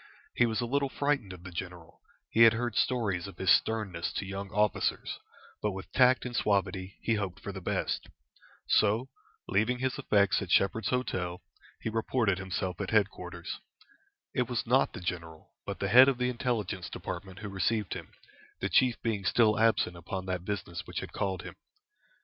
He was a little frightened of the general; he had heard stories of his sternness to young officers, but with tact and suavity he hoped for the best. So, leaving his effects at "Shepherd's Hotel," he reported himself at headquarters. It was not the general, but the head of the Intelligence Department who received him, the chief being still absent upon that business which had called him.